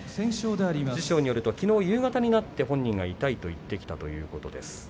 師匠によるときのう夕方になって本人が痛いと言ってきたということです。